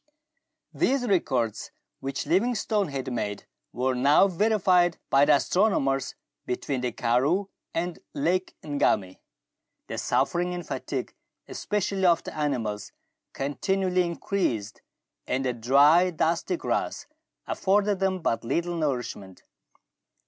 These records which Livingstone had made were now verified by the astronomers between the karroo and Lake Ngami. The suffering and fatigue, especially of the animals, continually increased, and the dry dusty grass afforded them but little nourishment.